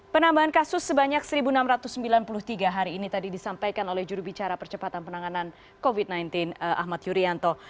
penambahan kasus sebanyak satu enam ratus sembilan puluh tiga hari ini tadi disampaikan oleh jurubicara percepatan penanganan covid sembilan belas ahmad yuryanto